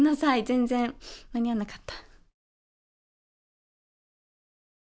全然間に合わなかった。